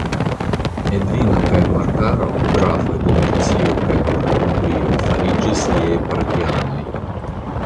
Edvino kaj Morkaro grafoj de Mercio kaj Nortumbrio fariĝis liaj partianoj.